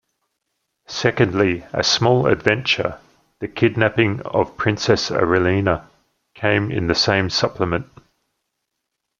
Secondly, a small adventure, "The Kidnapping of Princess Arelina", came in the same supplement.